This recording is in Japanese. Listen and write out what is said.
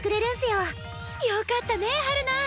よかったね陽菜。